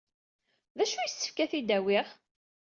D acu ay yessefk ad t-id-awyeɣ?